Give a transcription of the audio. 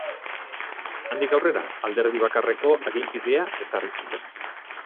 Handik aurrera, alderdi bakarreko aginpidea ezarri zuen.